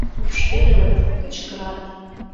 Шупшкедылыт, кычкырат.